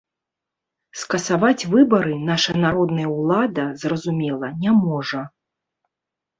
Скасаваць выбары наша народная улада, зразумела, не можа.